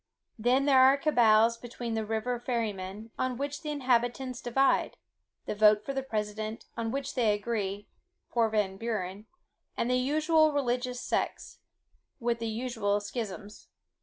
Then there are cabals between the rival ferrymen, on which the inhabitants divide; the vote for the president, on which they agree (for Van Buren); and the usual religious sects, with the usual schisms.